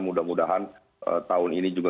mudah mudahan tahun ini juga